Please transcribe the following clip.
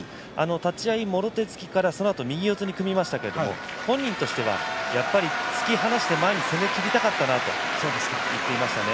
立ち合い、もろ手突きからそのあと右四つに組みましたが本人としては、やっぱり突き放して前に攻めきりたかったと言っていました。